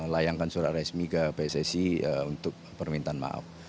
layangkan surat resmi ke pssi untuk permintaan maaf